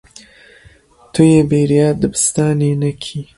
Tu yê bêriya dibistanê nekî.